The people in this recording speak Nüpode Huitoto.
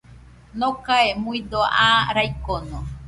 Nokae muido aa raikono.